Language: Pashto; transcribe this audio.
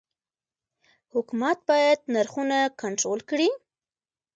حکومت باید نرخونه کنټرول کړي؟